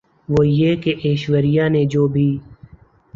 وہ یہ ہے کہ ایشوریا نے جو بھی